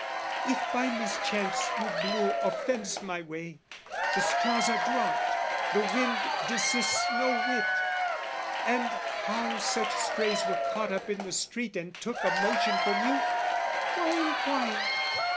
"If by mischance you blew offence my way, "The straws are dropt, the wind desists no whit, "And how such strays were caught up in the street "And took a motion from you, why inquire?